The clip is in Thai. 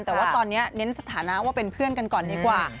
แต่ว่าตอนนี้เน้นสถานะว่าเป็นเพื่อนกันก่อนดีกว่า